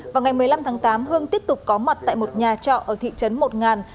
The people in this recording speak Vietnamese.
vào ngày một mươi năm tháng tám hương tiếp tục có mặt tại một nhà trọ ở thị trấn một ngàn